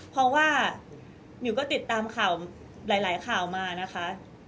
เพราะว่ามิวก็ติดตามข่าวหลายข่าวมานะคะ